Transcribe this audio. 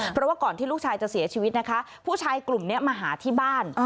เพราะว่าก่อนที่ลูกชายจะเสียชีวิตนะคะผู้ชายกลุ่มนี้มาหาที่บ้าน